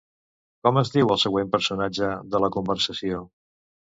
Com es diu el següent personatge de la conversació?